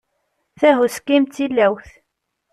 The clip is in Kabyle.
Tahuski-m d tilawt.